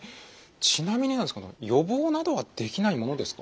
ちなみになんですが予防などはできないものですか？